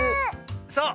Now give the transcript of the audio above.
そう。